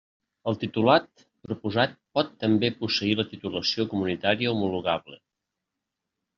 El titulat proposat pot també posseir la titulació comunitària homologable.